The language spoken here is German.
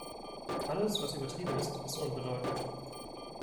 Alles, was übertrieben ist, ist unbedeutend.